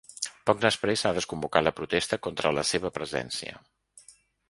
Poc després s’ha desconvocat la protesta contra la seva presència.